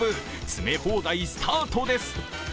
詰め放題スタートです。